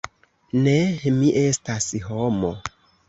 Ne, mi estas homo.